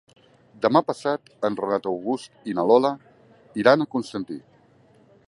Demà passat en Renat August i na Lola iran a Constantí.